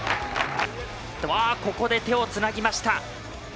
ここで手をつなぎました。